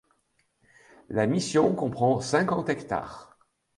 La mission comprend cinquante hectares.